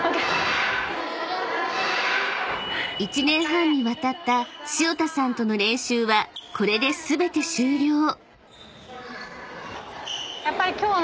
［１年半にわたった潮田さんとの練習はこれで全て終了］